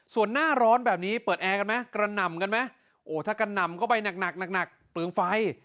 ส่วนหน้าร้อนแบบนี้เปิดแอร์กันมั้ยกระหน่ำกันมั้ยโอ้ถ้ากระหน่ำก็ไปหนักเปลืองไฟ